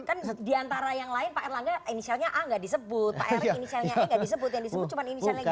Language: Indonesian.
kan diantara yang lain pak erlangga inisialnya a nggak disebut pak erik inisialnya e gak disebut yang disebut cuma inisialnya